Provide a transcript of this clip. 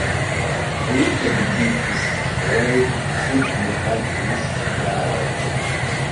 Li edziĝis dufoje, sed ne havis idaron.